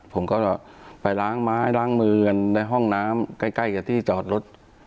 ผมก็ไปล้างไม้ล้างมือกันในห้องน้ำใกล้กับที่จอดรถ